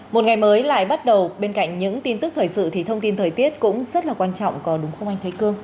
một ngày mới lại bắt đầu bên cạnh những tin tức thời sự thì thông tin thời tiết cũng rất là quan trọng có đúng không anh thấy cương